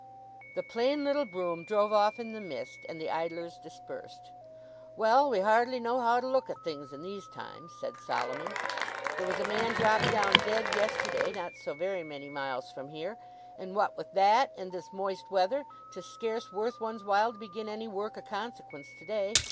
The plain little brougham drove off in the mist, and the idlers dispersed. "Well, we hardly know how to look at things in these times!" said Solomon. "There was a man dropped down dead yesterday, not so very many miles from here; and what wi' that, and this moist weather, 'tis scarce worth one's while to begin any work o' consequence to day.